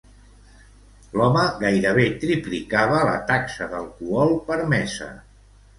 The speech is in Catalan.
L'home gairebé triplicava la taxa d'alcohol permesa.